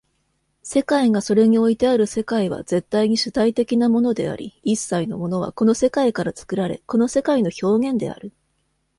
世界がそれにおいてある世界は絶対に主体的なものであり、一切のものはこの世界から作られ、この世界の表現である。